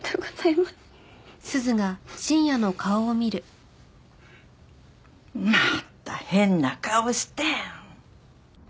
また変な顔して！